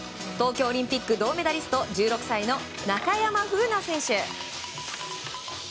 東京オリンピック銅メダリスト１６歳の中山楓奈選手。